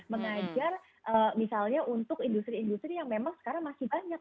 mengajar misalnya untuk industri industri yang memang sekarang masih banyak